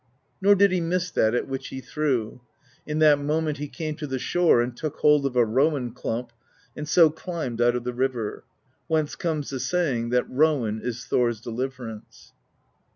Nor did he miss that at which he threw. In that moment he came to the shore and took hold of a rowan clump, and so climbed out of the river; whence comes the saying that rowan is Thor's deliverance.